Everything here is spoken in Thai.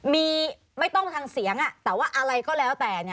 มีไม่ต้องทางเสียงแต่ว่าอะไรก็แล้วแต่